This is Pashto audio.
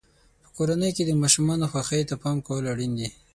په کورنۍ کې د ماشومانو خوښۍ ته پام کول اړین دي.